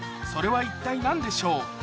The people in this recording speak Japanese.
それは一体何でしょう？